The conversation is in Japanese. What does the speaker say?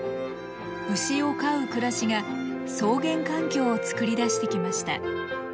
牛を飼う暮らしが草原環境をつくり出してきました。